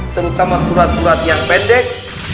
terutama surat surat yang pendek